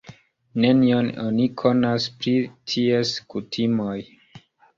Nenion oni konas pri ties kutimoj.